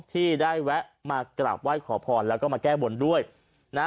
ที่ได้แวะมากราบไหว้ขอพรแล้วก็มาแก้บนด้วยนะ